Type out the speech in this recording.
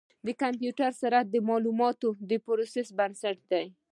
د کمپیوټر سرعت د معلوماتو د پروسس بنسټ دی.